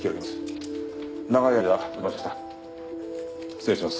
失礼します。